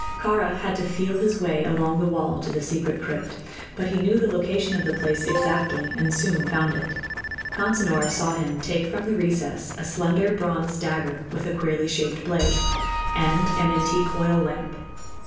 Kāra had to feel his way along the wall to the secret crypt, but he knew the location of the place exactly, and soon found it. Consinor saw him take from the recess a slender bronze dagger with a queerly shaped blade, and an antique oil lamp.